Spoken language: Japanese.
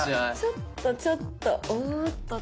ちょっとちょっとおっと。